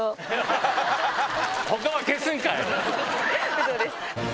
ウソです。